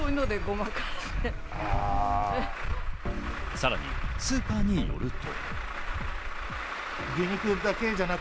さらにスーパーによると。